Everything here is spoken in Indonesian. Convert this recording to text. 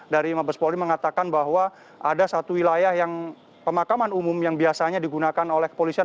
dari mabes polri mengatakan bahwa ada satu wilayah yang pemakaman umum yang biasanya digunakan oleh kepolisian